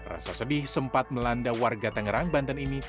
rasa sedih sempat melanda warga tangerang banten ini